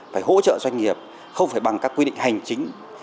phải hỗ trợ doanh nghiệp không phải bằng các quy định hành chính